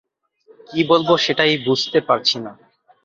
কী বলব, সেটাই বুঝতে পারছি না!